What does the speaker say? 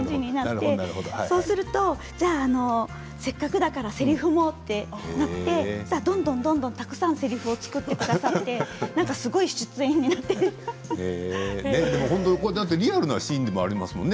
そうすると、せっかくだからせりふもってなってどんどん、たくさんせりふを作ってくださってリアルなシーンでもありますよね。